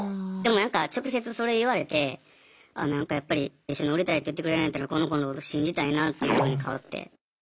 でもなんか直接それ言われてあなんかやっぱり「一緒におりたい」って言ってくれるんやったらこの子のこと信じたいなっていうふうに変わって。